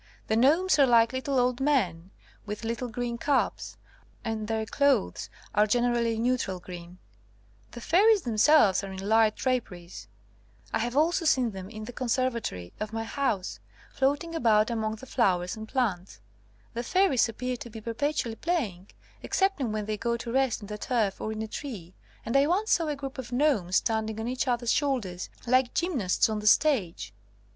The gnomes are like little old men, with little green caps, and their clothes are generally neutral green. The fairies themselves are in light draperies. I have also seen them in the con servatory of my house, floating about among 167 THE COMING OF THE FAIRIES the flowers and plants. The fairies appear to be perpetually playing, excepting when they go to rest on the turf or in a tree, and I once saw a group of gnomes standing on each others' shoulders, like gymnasts on the stage.